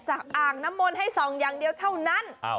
อ่างน้ำมนต์ให้ส่องอย่างเดียวเท่านั้น